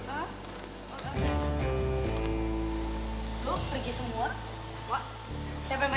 pak siapa yang bayar makanan